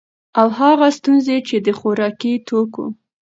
او هغه ستونزي چي د خوراکي توکو